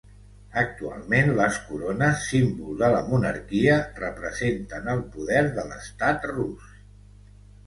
Actualment les corones, símbol de la monarquia, representen el poder de l'Estat rus.